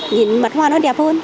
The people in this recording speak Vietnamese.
nhìn mặt hoa nó đẹp hơn